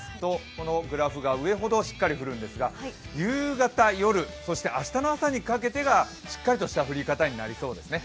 このグラフが上ほどしっかり降るんですが、夕方、夜、明日の朝にかけてがしっかりとした降り方になりそうですね。